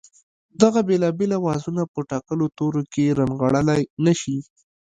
دغه بېلابېل آوازونه په ټاکلو تورو کې رانغاړلای نه شي